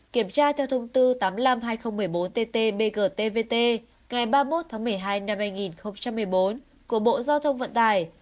kiểm tra theo thông tư tám trăm năm mươi hai nghìn một mươi bốn ttbgtvt ngày ba mươi một tháng một mươi hai năm hai nghìn một mươi bốn của bộ giao thông vận tải